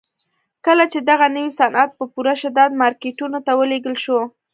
کله چې دغه نوي صنعت په پوره شدت مارکيټونو ته ولېږل شو.